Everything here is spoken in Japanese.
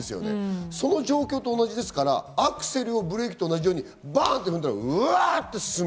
その状況と同じですから、アクセルをブレーキと同じようにバンって踏んだら、うわっと進む。